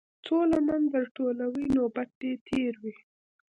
څــــو لمـــن در ټولـــوې نوبت دې تېر وي.